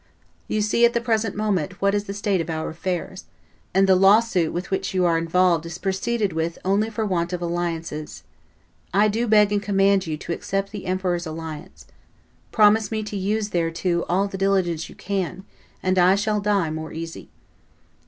You see at the present moment what is the state of our affairs, and the lawsuit in which you are involved is proceeded with only for want of alliances. I do beg and command you to accept the emperor's alliance. Promise me to use thereto all the diligence you can, and I shall die more easy."